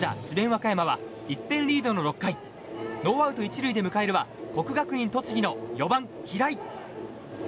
和歌山は１点リードの６回ノーアウト１塁で迎えるは国学院栃木の４番、平井。